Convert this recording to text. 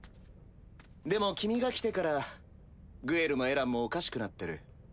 でも君が来てからグエルもエランもおかしくなってる。